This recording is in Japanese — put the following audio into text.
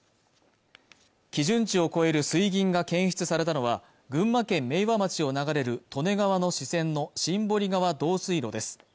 基準値を超える水銀が検出されたのは群馬県明和町を流れる利根川の支川の新堀川導水路です